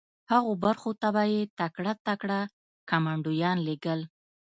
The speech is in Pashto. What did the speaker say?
هغو برخو ته به یې تکړه تکړه کمانډویان لېږل